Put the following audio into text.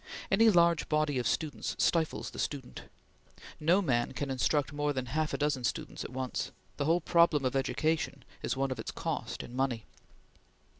Any large body of students stifles the student. No man can instruct more than half a dozen students at once. The whole problem of education is one of its cost in money.